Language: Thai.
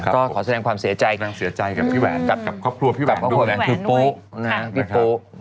ก็ขอแสดงความเสียใจกับพี่แหวนกับครอบครัวพี่แหวนด้วยนะฮะคือปุ๊กนะฮะ